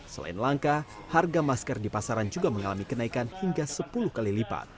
selain langka harga masker di pasaran juga mengalami kenaikan hingga sepuluh kali lipat